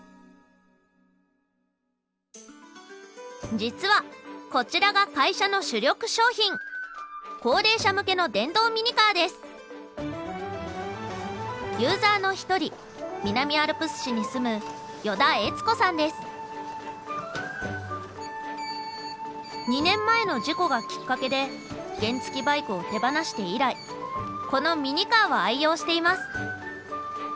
実はこちらが会社の主力商品ユーザーの一人南アルプス市に住む２年前の事故がきっかけで原付バイクを手放して以来このミニカーを愛用しています。